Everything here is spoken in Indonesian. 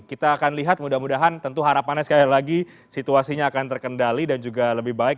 kita akan lihat mudah mudahan tentu harapannya sekali lagi situasinya akan terkendali dan juga lebih baik